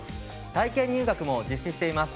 体験入学も実施しています。